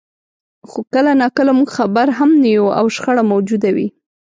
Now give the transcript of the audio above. خو کله ناکله موږ خبر هم نه یو او شخړه موجوده وي.